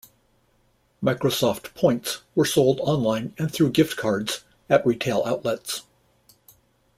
Microsoft Points were sold online and through gift cards at retail outlets.